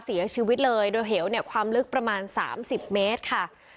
เสียชีวิตเลยโดยเหวเนี่ยความลึกประมาณ๓๐เมตรค่ะ